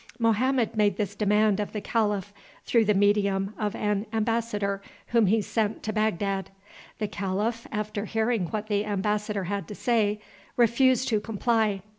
Mohammed made this demand of the calif through the medium of an embassador whom he sent to Bagdad. The calif, after hearing what the embassador had to say, refused to comply.